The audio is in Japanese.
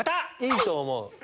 いいと思う。